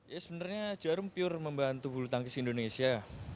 ya sebenarnya jarum pure membantu bulu tangkis indonesia